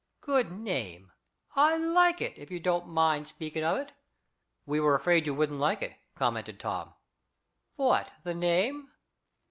"Good name. I like it, if you don't mind speaking of it." "We were afraid you wouldn't like it," commented Tom. "What, the name?"